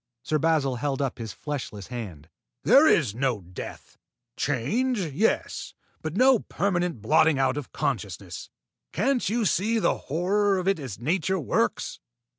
Sir Basil held up his fleshless hand. "There is no death! Change, yes; but no permanent blotting out of consciousness. Can't you see the horror of it as nature works?